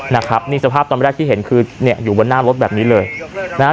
นะครับนี่สภาพตอนแรกที่เห็นคือเนี่ยอยู่บนหน้ารถแบบนี้เลยนะฮะ